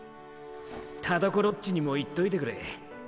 田所っちにも言っといてくれ。